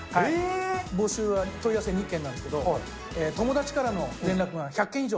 募集は問い合わせ２件なんですけど、友達からの連絡が１００件以上。